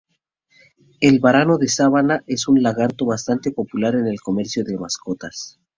El varano de sabana es un lagarto bastante popular en el comercio de mascotas.